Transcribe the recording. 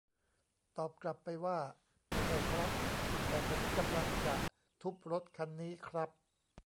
ตอบกลับไปว่า ไม่ใช่ครับ แต่ผมกำลังจะทุบรถคันนี้ครับ